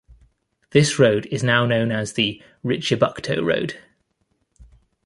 This road is now known as the "Richibucto Road".